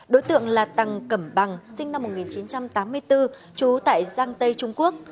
đối tượng là tằng cẩm bằng sinh năm một nghìn chín trăm tám mươi bốn trú tại giang tây trung quốc